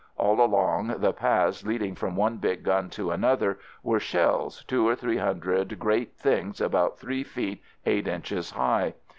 All along the paths leading from one big gun to an other were shells, two or three hundred great things about three feet, eight inches high.